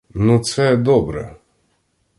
Ну, це — добре.